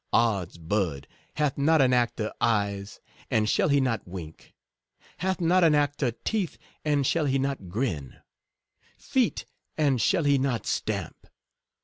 Ods bud ! hath not an actor eyes, and shall he not wink?— hath not an actor teeth, and shall he not grin? — feet, and shall he not stamp?